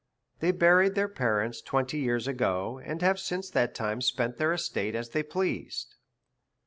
They buried their parents twenty years ago, and have since that time spent their estate as they pleased.